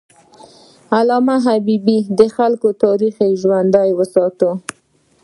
علامه حبیبي د خلکو تاریخ ژوندی وساته.